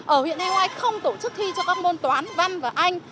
ở huyện thanh hoa không tổ chức thi cho các môn toán văn và anh